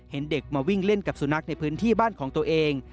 เห็นเด็กมาวิ่งเล่นกับสุนัขในพื้นที่บ้านของตัวเอง